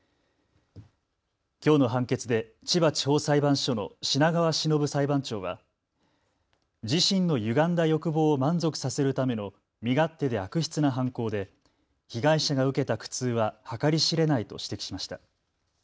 きょうの判決で千葉地方裁判所の品川しのぶ裁判長は自身のゆがんだ欲望を満足させるための身勝手で悪質な犯行で被害者が受けた苦痛は計り知れないと指摘しました。